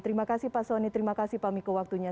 terima kasih pak soni terima kasih pak miko waktunya